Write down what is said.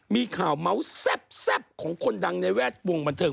มีข่าวเมาส์แซ่บของคนดังในแวดวงบันเทิง